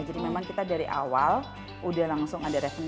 memang kita dari awal udah langsung ada revenue